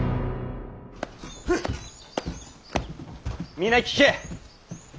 皆聞け。